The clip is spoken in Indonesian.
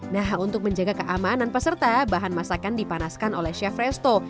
nah untuk menjaga keamanan peserta bahan masakan dipanaskan oleh chef resto